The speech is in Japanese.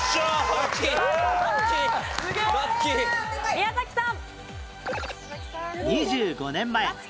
宮崎さん。